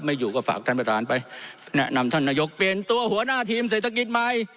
อยู่ก็ฝากท่านประธานไปแนะนำท่านนายกเปลี่ยนตัวหัวหน้าทีมเศรษฐกิจใหม่